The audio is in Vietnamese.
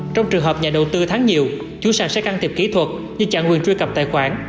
trong trường hợp nhà đầu tư thắng nhiều chú sàn sẽ căn thiệp kỹ thuật như chặn quyền truy cập tài khoản